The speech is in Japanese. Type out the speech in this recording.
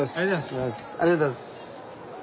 ありがとうございます。